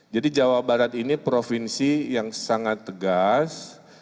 jadi jawa barat ini provinsi yang sangat tegas